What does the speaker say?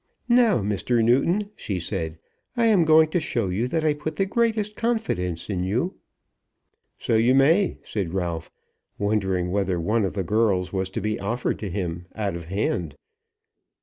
"Now, Mr. Newton," she said, "I am going to show you that I put the greatest confidence in you." "So you may," said Ralph, wondering whether one of the girls was to be offered to him, out of hand.